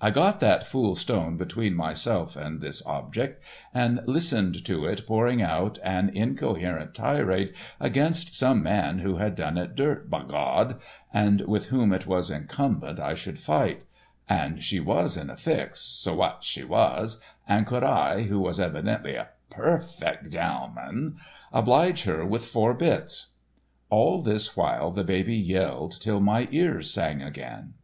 I got that fool stone between myself and this object, and listened to it pouring out an incoherent tirade against some man who had done it dirt, b'Gawd, and with whom it was incumbent I should fight, and she was in a fix, s'what she was, and could I, who was evidently a perfick gemmleman, oblige her with four bits? All this while the baby yelled till my ears sang again.